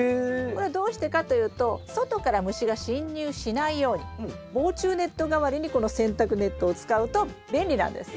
これはどうしてかというと外から虫が侵入しないように防虫ネット代わりにこの洗濯ネットを使うと便利なんです。